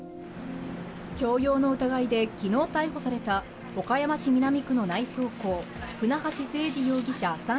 強要の疑いできのう逮捕された岡山市南区の内装工、船橋誠二容疑者